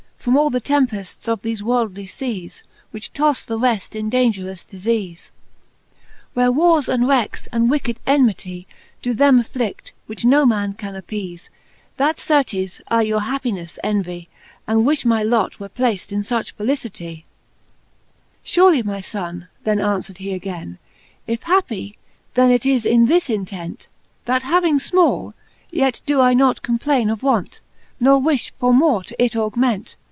From all the tempefts of thele worldly feas, Which tofle the reft in daungerous difeafe ? Where warres, and wreckes, and wicked enmitie Do them afflid:, which no man can appeafe, That certes I your happinefle envie, b And wifh my lot were plaft in fuch felicitie. XX. Surely, my fonne, then anfwer'd he againe, If happie, then it is in this intent. That having fmall, yet doe I not complaine Of want, ne wifh for more it to augment.